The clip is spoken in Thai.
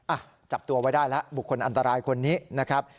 อ่ะจับตัวไว้ได้แล้วบุคคลอันตรายคนนี้นะครับ